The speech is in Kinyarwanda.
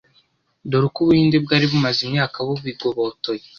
dore ko Ubuhinde bwari bumaze imyaka bubigobotoye